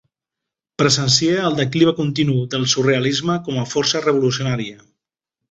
Presencie el declivi continu del surrealisme com a força revolucionària.